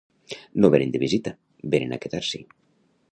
No vénen de visita, vénen a quedar-s'hi.